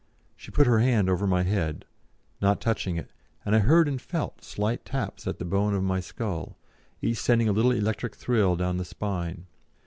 She put her hand over my head, not touching it, and I heard and felt slight taps on the bone of my skull, each sending a little electric thrill down the spine.